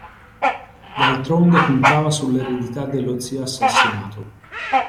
D'altronde contava sull'eredità dello zio assassinato.